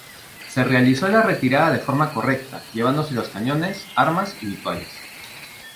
Se realizó la retirada de forma correcta llevándose los cañones, armas y vituallas.